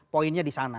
poinnya di sana